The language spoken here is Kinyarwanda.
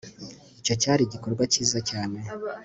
icyo cyari igikorwa cyiza cyane